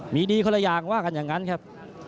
มีดีคนละอย่างว่ากันอย่างนั้นครับ